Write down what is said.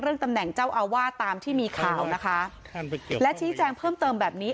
ตำแหน่งเจ้าอาวาสตามที่มีข่าวนะคะและชี้แจงเพิ่มเติมแบบนี้